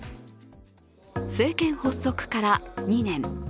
政権発足から２年。